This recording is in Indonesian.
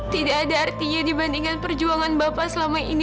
tidak ada artinya dibandingkan perjuangan bapak selama ini